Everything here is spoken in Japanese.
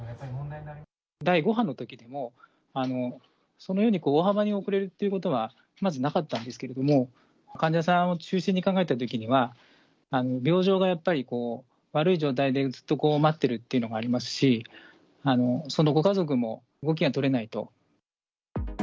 第５波のときも、そのように大幅に遅れるっていうことは、まずなかったんですけれども、患者さんを中心に考えたときには、病状がやっぱり悪い状態でずっと待ってるっていうのがありますし、そのご家族も動きが取れないと。